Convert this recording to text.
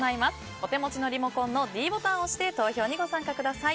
お手持ちのリモコンのｄボタンを押して投票にご参加ください。